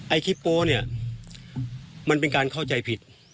คลิปโป๊เนี่ยมันเป็นการเข้าใจผิด